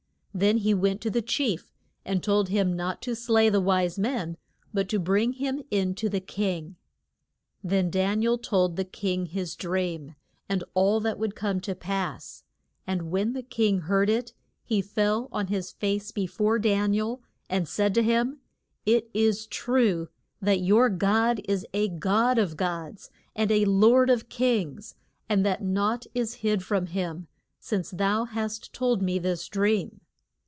Then he went to the chief, and told him not to slay the wise men, but to bring him in to the king. Then Dan i el told the king his dream, and all that would come to pass, and when the king heard it he fell on his face be fore Dan i el and said to him, It is true that your God is a God of gods, and a Lord of kings, and that nought is hid from him, since thou hast told me this dream.